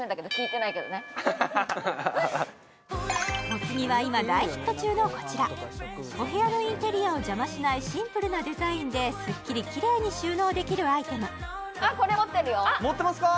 そうお次は今大ヒット中のこちらお部屋のインテリアを邪魔しないシンプルなデザインですっきりキレイに収納できるアイテム持ってますか？